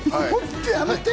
やめて！